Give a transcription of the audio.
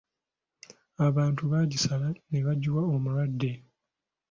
Abantu baagisala nebagyiwa omulwadde.